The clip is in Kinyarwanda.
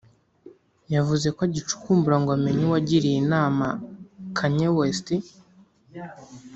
yavuze ko agicukumbura ngo amenye uwagiriye inama Kanye West